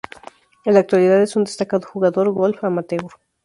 En la actualidad es un destacado jugador Golf amateur.